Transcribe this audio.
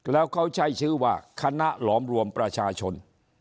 แล้วเขาใช้ชื่อว่าคณะหลอมรวมประชาชน